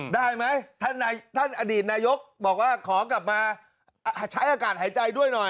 ได้ไหมท่านอดีตนายกบอกว่าขอกลับมาใช้อากาศหายใจด้วยหน่อย